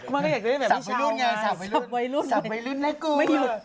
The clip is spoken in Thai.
มันก็อยากจะเรียกแบบไม่ชาวไงสับไว้รุ่นสับไว้รุ่นสับไว้รุ่นไม่หยุด